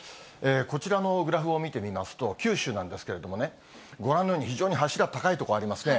こちらのグラフを見てみますと、九州なんですけれどもね、ご覧のように、非常に柱高い所ありますね。